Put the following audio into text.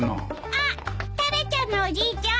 あっタラちゃんのおじいちゃん。